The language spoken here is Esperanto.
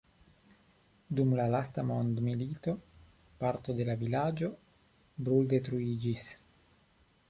Dum la lasta mondomilito parto de la vilaĝo bruldetruiĝis.